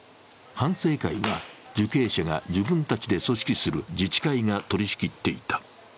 反省会は受刑者が自分たちで組織する自治会が取り仕切っていた。